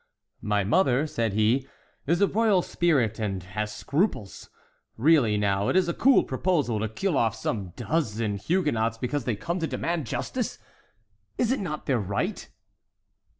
"My mother," said he, "is a royal spirit, and has scruples! Really, now, it is a cool proposal, to kill off some dozens of Huguenots because they come to demand justice! Is it not their right?"